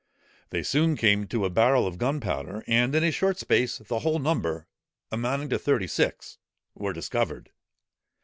They soon came to a barrel of gunpowder: and in a short space, the whole number, amounting to thirty six, were discovered.